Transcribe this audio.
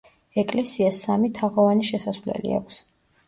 ეკლესიას სამი თაღოვანი შესასვლელი აქვს.